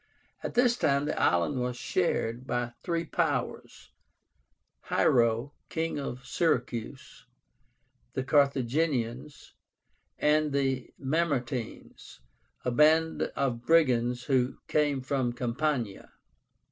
At this time the island was shared by three powers, HIERO, king of Syracuse, the CARTHAGINIANS, and the MAMERTINES, a band of brigands who came from Campania.